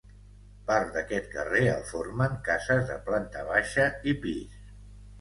Part d'aquest carrer el formen cases de planta baixa i pis.